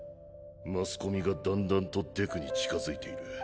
マスコミが段々とデクに近づいている。